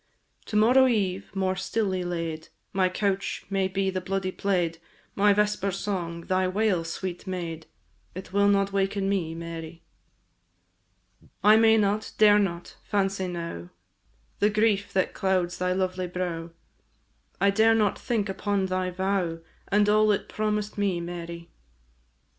To morrow eve, more stilly laid, My couch may be the bloody plaid, My vesper song, thy wail, sweet maid! It will not waken me, Mary! I may not, dare not, fancy now The grief that clouds thy lovely brow, I dare not think upon thy vow, And all it promised me, Mary.